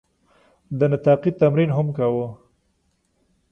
د نطاقي تمرین هم کاوه.